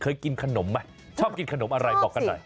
เคยกินขนมไหมชอบกินขนมอะไรบอกกันหน่อย